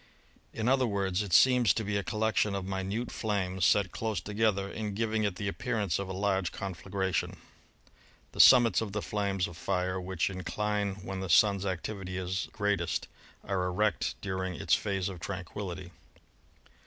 In other words, it seems to be a collection of minute flames set close together and giving it the appearance of a large conflagration. The summits of the flames of fire, which incline when the Sun's activity is greatest, are erect during its phase of tranquillity.